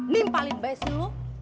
nimpalin bes lu